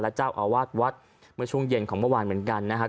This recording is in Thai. เจ้าอาวาสวัดเมื่อช่วงเย็นของเมื่อวานเหมือนกันนะครับ